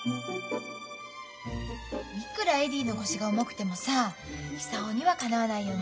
いくらエディの腰が重くてもさ久男にはかなわないよね。